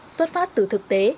xuất phát từ thực tế